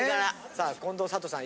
さあ近藤サトさん